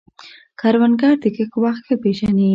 کروندګر د کښت وخت ښه پېژني